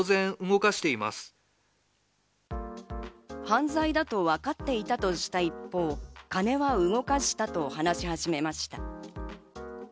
犯罪だとわかっていたとした一方、金は動かしたと話し始めました。